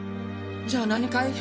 じゃあ何かい？